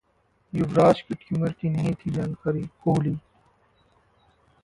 युवराज के ट्यूमर की नहीं थी जानकारी: कोहली